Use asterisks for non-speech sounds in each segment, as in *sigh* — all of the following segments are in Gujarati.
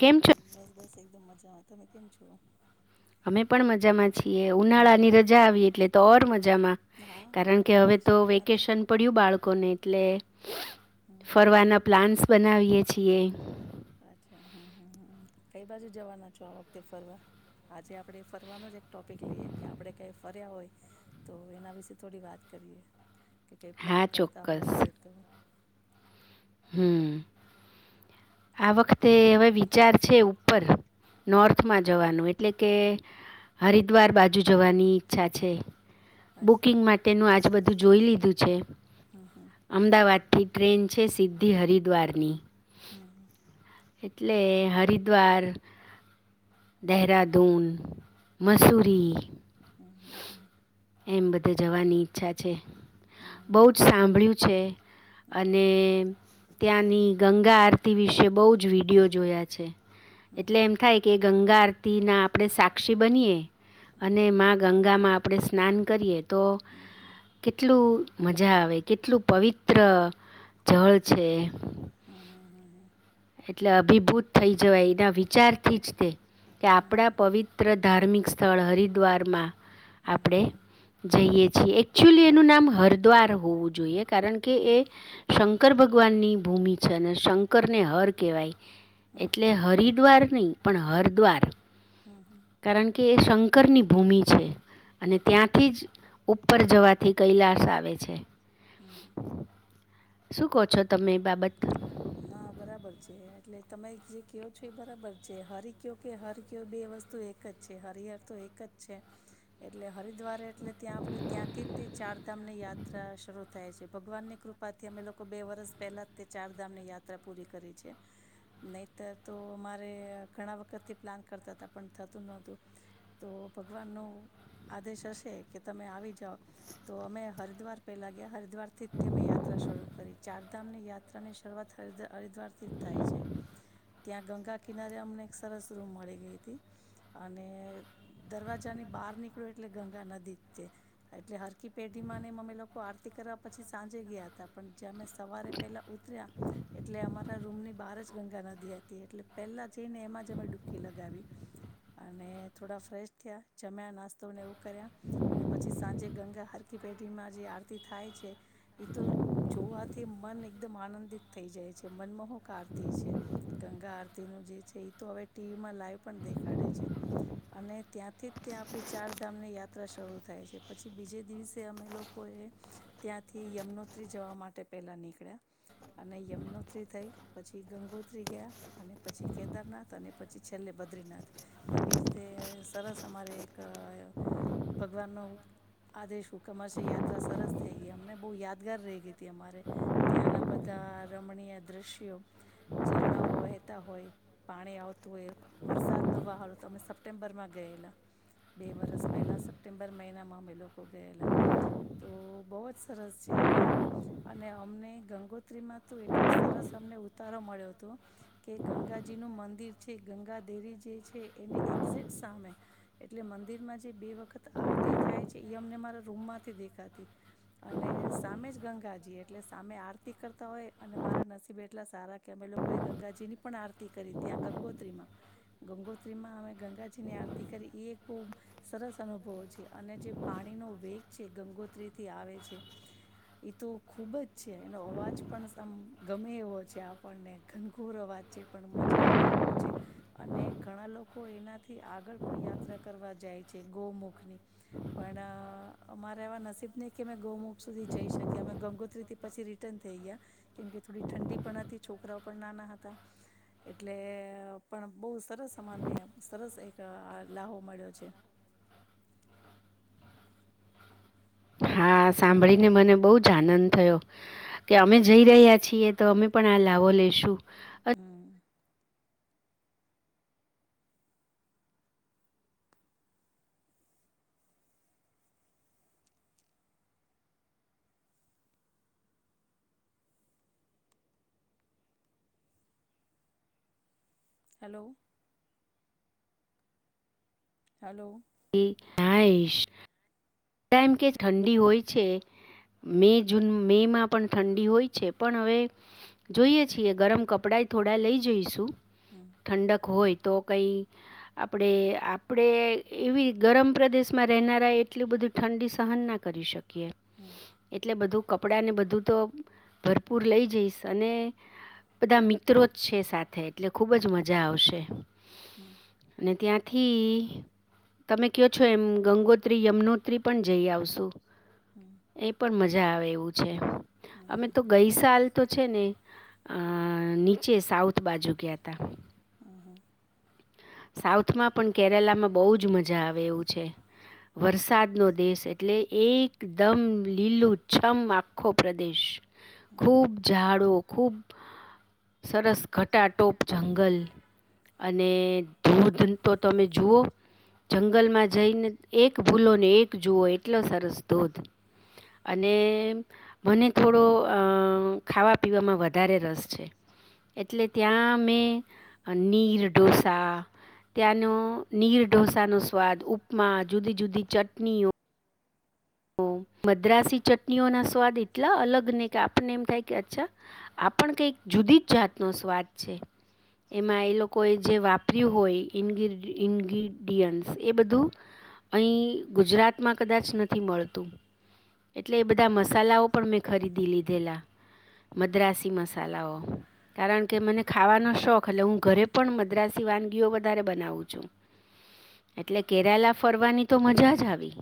કેમ છો? બસ બસ એકદમ મજા. તમે કેમ છો? અમે પણ મજામાં પછી એ ઉનાળા ની હમ રજા આવી એટલે તો ઓર મજામાં. હા હા કારણ કે હવે તો વેકેશનમાં વેકેશન પડ્યું બાળકોને એટલે ફરવાના પ્લાન્ બનાવીએ છીએ અચ્છા હમ હમ હમ કઈ બાજુ જવાના છો આ વખતે ફરવા આજે આપણે ફરવાનો જ એક ટોપિક લઈએ કે આપડણે કઈ ફર્યા હોય તો એના વિશે થોડી વાત કરીએ. કે કંઈ હા પ્લાન કરતા ચોક્કસ. હોઈએ તો. હમ્મ આ વખતે હવે વિચાર છે ઉપર નોર્થમાં જવાનું એટલે કે હરિદ્વાર બાજુ જવાની ઈચ્છા છે. અચ્છા બુકિંગ માટેનું આજ બધું જોઈ લીધું. હમ હમ *unintelligible* અમદાવાદથી ટ્રેન છે સિ્ધ થી હરિદ્વારની હમ હમ *inaudible* એટલે હરિદ્વાર દહેહરાધૂન. મસૂરી હમ હમ એમ તે જવાની ઈચ્છા છે. હમ બહુ જ સાંભળ્યું છે અને ત્યાંની ગંગા આરતી વિશે બહુ જ વિડિયો જોયા છે. એટલે એમ થાય કે એક ગંગા આરતીના આપણે સાક્ષી બનીએ, અને મા ગંગામાં આપણે સ્નાન કરીએ. તો, કેટલું મજા આવે કેટલું પવિત્ર, જળ છે. હમ્મ હમ્મ હમ્મ હમ્મ એટલે અભિભૂત થઈ જવાય, એના વિચારથી જ તે. કે આપણા પવિત્ર ધાર્મિક સ્થળ હરિદ્વારમાં આપણે જઈએ છીએ એક એચ્યુલી એનું નામ હરદ્વાર હોવું જોઈએ. કારણ કે એ શમ શંકર ભગવાનની ભૂમિ છે અને શંકરને હર કહેવાય. હમ એટલે હરિદ્વાર નહી. પણ હરિદ્વાર કારણ કે એ *unintelligible* ક્કરની ભૂમિ છે. અને ત્યાંથી જ ઉપર જવાથી કૈલાસ આવે છે. હમ્મ હમ્મ શું કહો છો તમે એ બાબત હા બરાબર છે, એટલે તમે જે કહયો છો એ બરાબર છે, હરી કયો કે હર કયો બે વસ્તુ એક જ છે, હરિહર તો એક જ છે, એટલે હરિદ્વારે એટલે ત્યાં આપણે ત્યાંથી તે ચારધામ ની યાત્રા શરૂ થાય છે, ભગવાન ની કૃપાથી અમે લોકો બે વરષ પહેલા તે ચાર ધામની યાત્રા પૂરી કરી છે, નહીંતર તો અ મારે ઘણા વખતથી પ્લાન કરતા હતા પણ થતું નહતું તો ભગવાન નો આદેશ હશે કે તમે આવી જાઓ તો અમે હરિદ્વાર પહેલા ગયા. દ્વાર થી જ તેમમે યાત્રા શરૂ કરી ચાર ધામ ની યાત્રાને તરવાત થઈજા હરિદ્વાર થીજ થાય છે. ત્યાં ગંગા કિનારે અમને એક સરસ રૂમ મળી ગઈ હતી અને દરવાજાની બહાર નીકળો એટલે ગંગા નદી જ તે એટલે હરકી પેઢી માં ને અમે લોકો આરતી કરવા પછી સાંજે ગયા હતા. જેંમે સવારે પહેલા એટલે અમારા રૂમ ની બહાર જ ગંગા નદી હતી એટલે પહેલા જઈને એમાં જ અમે ડુકી લગાવી અને થોડા ફ્રેશ થયા જમયા નાસ્તોને કર્યા અને પછી સાંજે ગંગા હર પેઢીમાં જે આરતી થાય છે એ તો જોવાત થી મન એક આનંદિત થઈ જાય છે મનમોહ આરતી છે ગંગા તેનું જે છે એ તો હવે ટીવીમાં લાઈવ પણ દેખાડે છે અને ત્યાંથી જ ત્યાં આપણી ચારધામની યાત્રા શરૂ થાય છે પછી બીજે દિવસે અમે લોકોએ ત્યાંથી યમનોત્રી જવા માટે પહેલાં નીકળ્યા અને યમુનોત્રી થઈ પછી ગંગોત્રી ગયા અને પછી કેદારનાથ અને પછી છેલ્લે બદ્રીનાથ એવી રીતે સરસ અમારે એક અ ભગવાનનો આદેશ હું કમાશે યાત્રા સરસ થઈ ગઈ અમને બહુ યાદગાર રહી ગઈ હતી અમારે ત્યાંના બધા રમણીય દૃશ્યો ઝરણાંઓ વહેતા હોય પાણી આવતું હોય વરસાદનો વાહો તો અમે સપ્ટેમ્બરમાં ગયેલા બે વરસ પહેલાં સપ્ટેમ્બર મહિનામાં અમે લોકો ગયેલા તો બહુ જ સરસ છે એનું અને અમને ગંગોત્રીમાં તો એટલું સરસ અમને ઉતારો મળ્યો હતો કે ગંગાજી નું મંદિર છે ગંગા દેરી જે છે એની એક્ઝેટ સામે એટલે મંદિરમાં જે બે વખત આરતી થાય છે એ અમને મારા રૂમમાંથી દેખાતી અને સામે જ ગંગાજી એટલે સામે આરતી આરતી કરતા હોય અને મારા નસીબે એટલા સારા કે અમે લોકોએ ગંગાજી ની પણ આરતી કરી ત્યાં ગંગોત્રીમાં ગંગોત્રીમાં અમે ગંગાજીની આરતી કરી એ એક બહુ સરસ અનુભવ છે અને જે પાણીનો વેગ છે ગંગોત્રીથી આવે છે એ તો ખૂબ જ છે એનો અવાજ પણ આમ ગમે એવો છે આપણને ઘનઘુર અવાજ છે પણ મજા આવે એવો છે અને ઘણા લોકો એનાથી આગળ પણ યાત્રા કરવા જાય છે ગૌમુખની પણ અમારા એવા નસીબ નહીં કે અમે ગૌમુખ સુધી જઈ શકીએ અમે ગંગોત્રીથી પછી રિટર્ન થઈ ગયા કેમ કે થોડી ઠંડી પણ હતી છોકરાઓ પણ નાના હતા એટલે પણ બહ સરસ અમાને સરસ એક લાહો મળ્યો છે હા સાંભળીને મને બહુ જ આનંદ થયો કે અમે જઈ રહ્યા છીએ તો અમે પણ આ લાવો લેશું અ હમ હલો હલો એ હયશ એમ કે ઠંડી હોય છે મે જૂન મેમાં પણ ઠંડી હોય છે પણ હવે જોઈએ છીએ ગરમ કપડાંય થોડા લઈ જઈશું હમ ઠંડક હોય તો કંઈ આપણે આપણે એવી ગરમ પ્રદેશમાં રહેનારા એટલું બધું ઠંડી સહન ના કરી શકે હમ એટલે બધું કપડાંને બધું તો ભરપૂર લઈ જઈશ અને બધા મિત્રો જ છે સાથે એટલે ખૂબ જ મજા આવશે હમ અને ત્યાં થી તમે કહો છો એમ ગંગોત્રી યમનો ત્રી પણ જઈ આવશું હમ હમ એ પણ મજા મજા આવે એવું છે. હમ અમે હમ તો ગઈ સાલ તો છેને અહ નીચે સાઉથ બાજુ ગયાતા. હમ હમ સાવ માં પણ કેરાલામાં બહુ જ મજા આવે એવું છે વરસાદ નો દેશ એટલે એકદમ લીલું છમ આખો પ્રદેશ હમ ખૂબ ઝાડો ખૂબ સરસ ઘટાટોપ જંગલ અને *inaudible* તો તમે જુઓ જંગલમાં જઈને એક ભૂલો ને એક જુઓ એટલો સરસ ધોધ અને એ મને થોડો ખાવા પીવામાં વધારે રસ છે એટલે ત્યાં મેં નીર ઢોસા ત્યાંનો નીર ઢોસાનો સ્વાદ, ઉપમા જુદી જુદી ચટણીઓ ઓ મદ્રાસી ચટણીઓના સ્વાદ એટલા અલગ ને કે, આપણને એમ થાય કે અચ્છા આપણ કઈક જુદી જ જાતનો સ્વાદ છે. એમાં એ લોકોએ જે વાપર્યું હોય ઇન્ડી ઇન્ડ ઇન્ગ્રીડિયન્ટ એ બધું અહી ગુજરાતમાં કદાચ થી મળતું, એટલે એ બધા મસાલાઓ પણ મેં ખરીદી લીધેલા. મદ્રાસસી મસાલાઓ, કારણકે મને ખાવાનો શોખ, એટલે હું ઘરે પણ મદ્રાસ વાનગીઓ વધારે બનાવું છું, એટલે કેરાલા ફરવાની તો મજા જ આવી.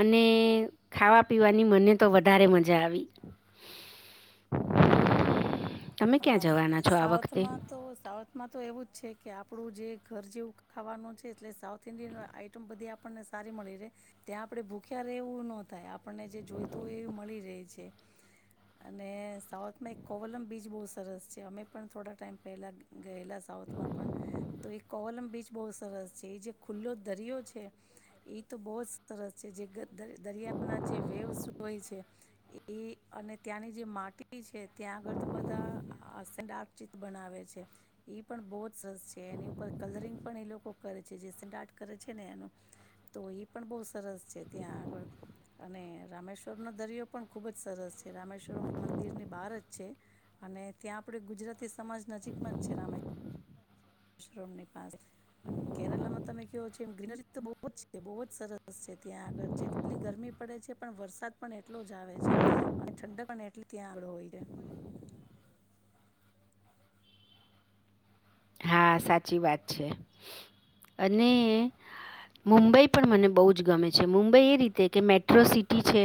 અને ખાવા પીવાની મને તો વધારે મજા આવી. તમે ક્યાં હા, જવાના છો આ વખતે સાઉથમાં તો સાઉથમાં તો એવું જ છે કે આપ આપડું જે ઘર જેવું ખાવાનું છે. એટલે સાઉથ ઈન્ડિયન આઈટમ બધી આપણને સારી મળી રહે. ત્યાં આપડે ભૂખ્યા રવું ન થાય આપ આપણને જે જોઈતું હોય, એ મળી રહેહી છે. અને સાઉથમાં એક કોવલમ બીજ બહુ સરસ છે. અમે પણ થોડા ટાઈમ પહેલા ગયેલા સાઉથમાં પણ તો એક કોલમ બીચ બહુ સરસ છે. એ જે ખુલ્લો દરિયો છે, એ તો બહુ જ સરસ છે જે ગ દર દરિયાના જે વેવસ હોય છે, એ એ અને ત્યાંની જે માટી છે ત્યાં આગળ તો બધાક *unintelligible* ચિત બનાવે છે પણ બહું જ સ છે. એની ઉપર કલરિંગ પણ એ લોકો કરે છે. જે સિંગઆર્ટ કરે છે, ને એનું તો એ પણ બઉ સ સરસ છે ત્યાં આગળ અને રામેશ્વરનોો દરિયો પણ ખુબ જ સરસ છે રામેશ્વરમ મંદિર ની બહારજ છે. અને ત્યાં આપડે ગુજરાતી સમાજ નજીકમાં જ છે રામે વોશરૂમની પાસે અને કેરાલા માં તમે કેવો છેમ ગ તો બહુ જ છે બહુ જ સરસ બસ છે ત્યાં આગળ જેટલી ગરમી પડે છે પણ વરસાદ પણ એટલો જ આવે છે, અને ઠંડ પણ એટલી ત્યાં આવળો હોય છે. હા સાચી વાત છે, અને મુંબઈ પણ મને બહુ જ ગમે છે. મુંબઈ એ રીતે કે મેટ્રો સિટી છે.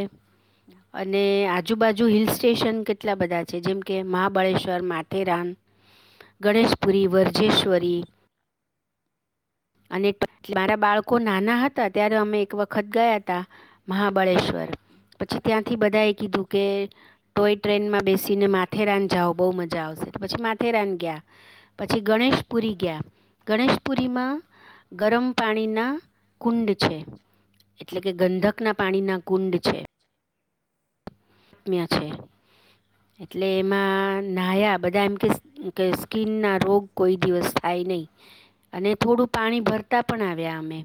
હમ અને આજુબાજુ હિલ સ્ટેશન કેટલા બધા છે. જેમકે મહાબળેશ્વર, માથેરાન, ગણેશપુરી, વર્જેશ્વરી. અને *unintelligible* મારા બાળકો નાના હતા, ત્યારે અમે એક વખત ગયા હતા મહાબળેશ્વર. પછી ત્યાંથી બધાએ કીધું કે ટોય ટ્રેનમાં બેસીને માથેરાન જાઓ બહુ મજા આવશે. પછી માથેરાન ગયા. પછી ગણેશપુરી ગયા. ગણેશપુરીમાં ગરમ પાણીના કુંડ છે. એટલે કે ગંધક ના પાણીના કુંડ છે. *unintelligible* છે. એટલે એમાં નાયા બધા એમ કે સ્કીન ના રોગ કોઈ દિવસ થાય નહી. અને થોડું પાણી ભરતા પણ આવ્યા અમે.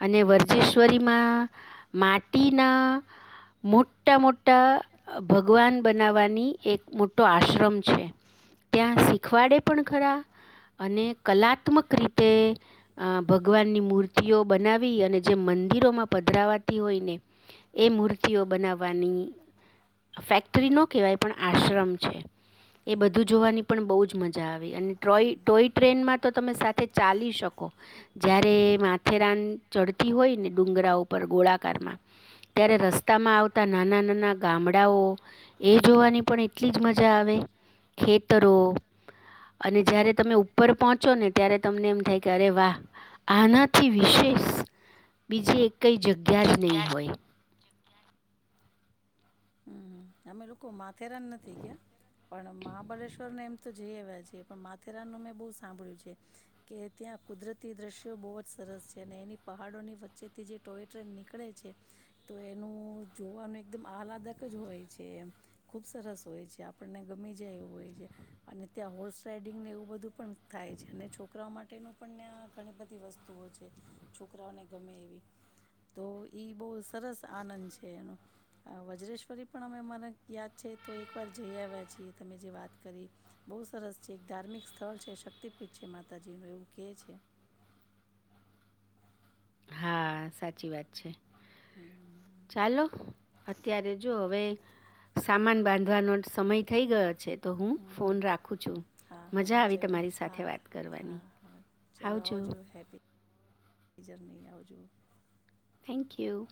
અને હમ વર્જેશ્વરી માં. માટીના મોટા-મોટા ભગવાન બનાવવાની એક મોટો આશ્રમ છે. ત્યાં શીખવાડે પણ ખરા અને કલાત્મક રીતે અ.. ભગવાનની મૂર્તિઓ બનાવી અને જે મંદિરોમાં પધરાવાતી હોય, ને એ મૂર્તિઓ બનાવવાની ફેક્ટરી નો કહેવાય પણ આશ્રમ છે. એ હમ બધું જોવાની પણ બહ જ મજા આવી. અને ટોય ટોય ટ્રેનમાં તો તમે સાથે ચાલી શકો. હમ હમ હમ જ્યારે માથેરાન ચડતી હોય ને ડુંગરા *unintelligible* હમ ગોળાકારમાં હમ ત્યારે રસ્તામાં આવતા નાના-નાના ગામડા ડા ઓ એ જોવાની પણ એટલી જ મજા આવે. ખેતરો અને જ્યારે તમે ઉપર પહોંચો ને ત્યારે તમને એમ થાય ત્યારે વાહ. આનાથી વિશેષ બીજી એકઈ જગ્યા જ નહીં હોય. હમ.. અમે લોકો માથેરાન નથી ગયા. પણ મહાબલેશ્વર નેમ તો જઈ એવા છે. પણ માથેરાનું મેં બહુ સાંભળ્યું છે કે ત્યાં કુદરતી દ્રશ્યો બહુ જ સરસ છે. અને એની પહાડોની વચ્ચેથી જે ટોય ટ્રેન નીકળે છે, તો એનું જોવાનું એકદમ આહલાદક હોય છે એમ ખુબ સરસ હોય છે. આપણને ગમી જાય એવું હોય છે. અને ત્યાં હોર્સ રાઈડિંગને એવું બધું પણ થાય છે, અને છોકરાઓ માટેનું પણ ત્યાં ઘણી બધી વસ્તુઓ છે. છોકરાઓને ગમે એવી તો ઈ બહ સરસ આનંદ છે એનો વજેશ ફરી પણ અમે મને યાદ છે, તો એક વાર જઈ આવ્યા છીએ તમે જે વાત કરી બહુ સરસ છે. એક ધાર્મિક સ્થળ છે. શક્તિપીઠ છે માતાજી નું એવું કે છે. હા. સાચી વાત છે. હમ ચાલો. અત્યારે જો હવે, સામાન બાંધવાનો સમય થઈ ગયો છે. તો, હું હમ ફોન હમ રાખું છું. હા હા મજા આવી ચલો તમારી સાથે હા વાત હા કરવાની હા ચલો આવજો. હેપી જર્ની આવજો. Thank you.